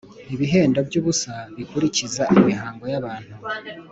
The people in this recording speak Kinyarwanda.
ibihendo by’ubusa bikurikiza imihango y’abantu